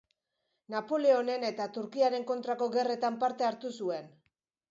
Napoleonen eta Turkiaren kontrako gerretan parte hartu zuen.